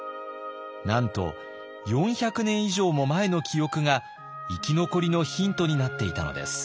なんと４００年以上も前の記憶が生き残りのヒントになっていたのです。